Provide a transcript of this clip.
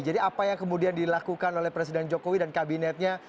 jadi apa yang kemudian dilakukan oleh presiden jokowi dan kabinetnya